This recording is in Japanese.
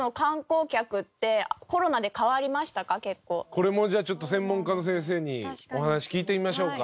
これもじゃあちょっと専門家の先生にお話聞いてみましょうか。